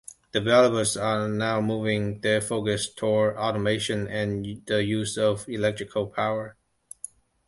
Developers are now moving their focus toward automation and the use of electrical power.